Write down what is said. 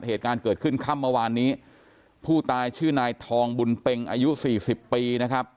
เหตุการณ์เกิดขึ้นค่ำเมื่อวานนี้ผู้ตายชื่อนายทองบุญเป็งอายุสี่สิบปีนะครับ